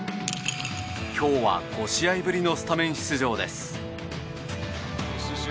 今日は５試合ぶりのスタメン出場です。